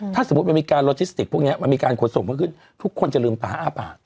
ถ้าสมมุติมันมีการโลจิสติกพวกนี้มันมีการขนส่งเพิ่มขึ้นทุกคนจะลืมตาอ้าปาก